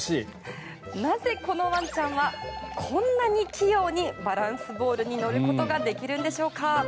なぜ、このワンちゃんはこんなに器用にバランスボールに乗ることができるんでしょうか。